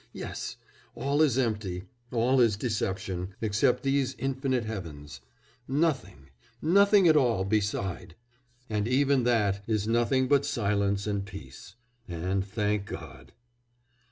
Yes! all is empty, all is deception, except these infinite heavens. Nothing, nothing at all, beside! And even that is nothing but silence and peace! And thank God!'"